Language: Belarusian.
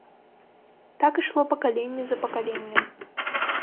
Так ішло пакаленне за пакаленнем.